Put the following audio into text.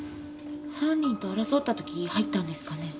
犯人と争った時入ったんですかね？